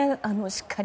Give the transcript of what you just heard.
しっかり。